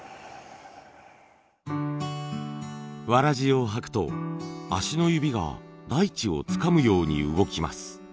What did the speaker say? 草鞋を履くと足の指が大地をつかむように動きます。